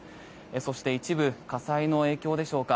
そして、一部火災の影響でしょうか